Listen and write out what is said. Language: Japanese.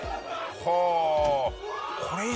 はあ！